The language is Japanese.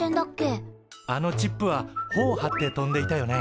あのチップはほを張って飛んでいたよね。